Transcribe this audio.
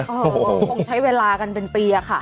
คงใช้เวลากันเป็นปีอะค่ะ